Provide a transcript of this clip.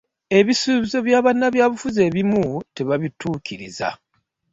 Ebisuubizo bya bannabyabufuzi ebimu tebatera kutuuka.